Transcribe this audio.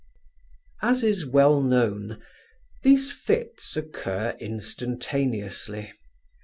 As is well known, these fits occur instantaneously.